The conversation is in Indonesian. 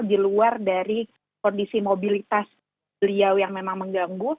di luar dari kondisi mobilitas beliau yang memang mengganggu